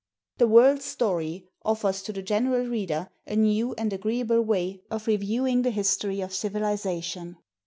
" The World's Story" offers to the general reader a new and agreeable way of reviewing the history of civil ization.